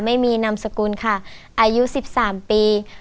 ไม่มีนามสกุลค่ะอายุ๑๓ปี